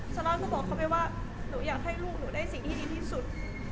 ซาร่าก็บอกเขาไปว่าหนูอยากให้ลูกหนูได้สิ่งที่ดีที่สุด